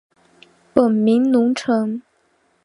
本名融成。